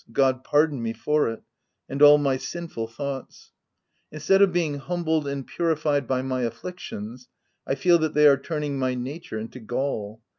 — God pardon me for it — and all my sinful thoughts ! Instead of being humbled and purified by my afflictions, I feel that they are turning my nature into gall.